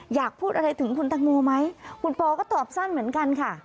อยากพูดอะไรถึงคุณตังโมไหมคุณปอก็ตอบสั้นเหมือนกันค่ะ